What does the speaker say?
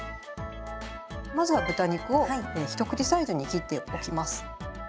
まずは豚肉を一口サイズに切っておきます。